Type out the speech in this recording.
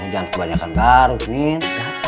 jangan kebanyakan garuk nen